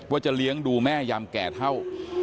จะเลี้ยงดูแม่ยามแก่เท่า